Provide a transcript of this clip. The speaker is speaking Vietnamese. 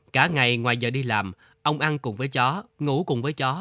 cả ngày ngoài giờ đi làm ông ăn cùng với chó ngủ cùng với chó